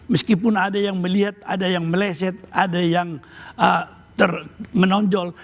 meskipun ada yang melihat ada yang meleset ada yang menonjol